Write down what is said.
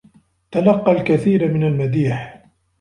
تلقى الكثير من المديح.